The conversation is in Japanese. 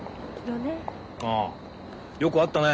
ああよく会ったね